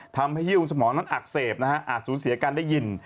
ทำให้ฮิ้วสมองนั้นอักเสบนะฮะอาจสูญเสียการได้ยิน